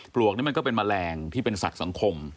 วกนี้มันก็เป็นแมลงที่เป็นสัตว์สังคม